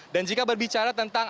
dan jika berbicara tentang